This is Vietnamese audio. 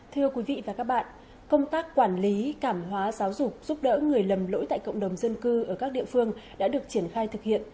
thưa quý vị và các bạn công tác quản lý cảm hóa giáo dục giúp đỡ người lầm lỗi tại cộng đồng dân cư ở các địa phương đã được triển khai thực hiện